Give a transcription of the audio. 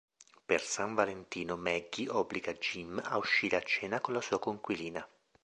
Per San Valentino, Maggie obbliga Jim a uscire a cena con la sua coinquilina.